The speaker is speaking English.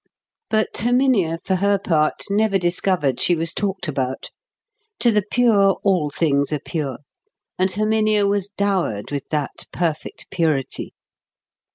But Herminia, for her part, never discovered she was talked about. To the pure all things are pure; and Herminia was dowered with that perfect purity.